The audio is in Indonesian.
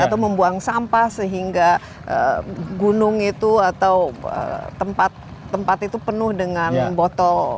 atau membuang sampah sehingga gunung itu atau tempat tempat itu penuh dengan botol